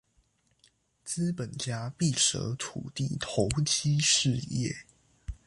資本家必捨土地投機事業